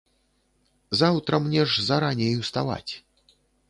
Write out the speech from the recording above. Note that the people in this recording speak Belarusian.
Заўтра мне ж зараней уставаць.